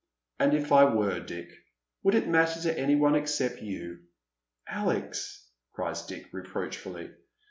"And if I were, Dick, would it matter to any one except you?'» " Alex !" cries Dick, reproachfully.